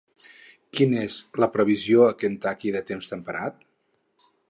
Quin és la previsió a Kentucky de temps temperat